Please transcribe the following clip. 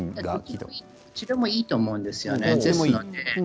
どちらでもいいと思うんですね。